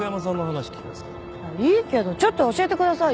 いいけどちょっとは教えてくださいよ